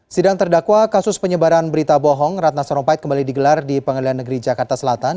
sidang terdakwa kasus penyebaran berita bohong ratna sarumpait kembali digelar di pengadilan negeri jakarta selatan